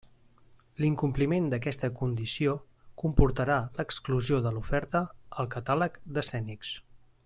L'incompliment d'aquesta condició comportarà l'exclusió de l'oferta al catàleg d'Escènics.